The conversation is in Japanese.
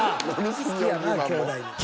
好きやな兄妹で。